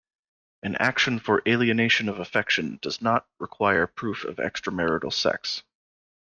An action for alienation of affection does not require proof of extramarital sex.